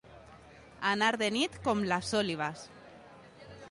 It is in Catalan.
Anar de nit, com les òlibes.